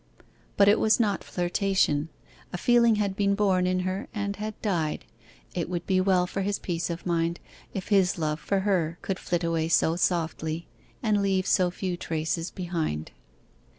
But it was not flirtation; a feeling had been born in her and had died. It would be well for his peace of mind if his love for her could flit away so softly, and leave so few traces behind.